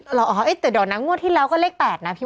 หรอแต่เดี๋ยวนั้นที่แล้วก็เลข๘น่ะพี่โมน